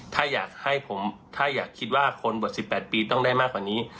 ถ้าอยากให้ผมถ้าอยากคิดว่าคนบท๑๘ปีต้องได้มากกว่านี้